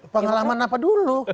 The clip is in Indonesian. pengalaman apa dulu